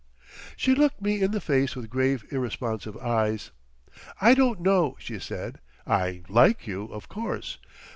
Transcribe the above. She looked me in the face with grave irresponsive eyes. "I don't know," she said. "I like you, of course....